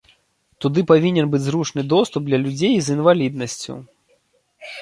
Туды павінен быць зручны доступ для людзей з інваліднасцю.